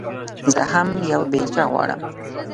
زه هم يوه بېلچه غواړم.